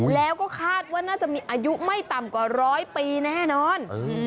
แล้วก็คาดว่าน่าจะมีอายุไม่ต่ำกว่าร้อยปีแน่นอน